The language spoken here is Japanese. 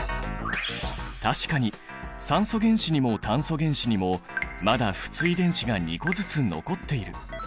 確かに酸素原子にも炭素原子にもまだ不対電子が２個ずつ残っている。